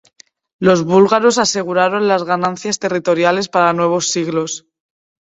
Los búlgaros aseguraron las ganancias territoriales para nuevos siglos.